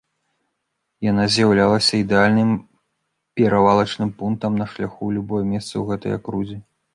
Яна з'яўлялася ідэальным перавалачным пунктам на шляху ў любое месца ў гэтай акрузе.